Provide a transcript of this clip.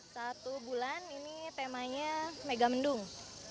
satu bulan ini temanya mega mendung